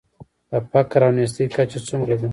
د فقر او نیستۍ کچه څومره ده؟